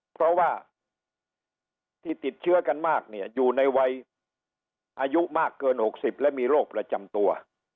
เพราะว่าที่ติดเชื้อกันมากเนี่ยอยู่ในวัยอายุมากเกิน๖๐และมีโรคประจำตัว